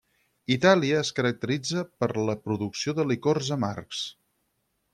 Itàlia es caracteritza per la producció de licors amargs.